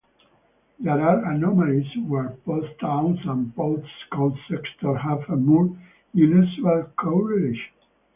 There are anomalies where post towns and postcode sectors have a more unusual co-relation.